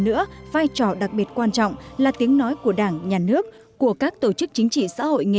nữa vai trò đặc biệt quan trọng là tiếng nói của đảng nhà nước của các tổ chức chính trị xã hội nghề